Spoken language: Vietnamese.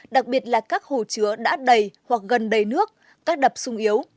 đặc biệt là các hồ chứa đã đầy hoặc gần đầy nước các đập sung yếu